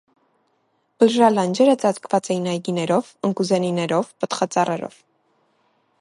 Բլրալանջերը ծածկուած էին այգիներով, ընկուզենիներով, պտղածառերով։